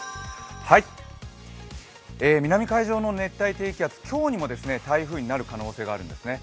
南海上の熱帯低気圧、今日にも台風になる可能性があるんですね。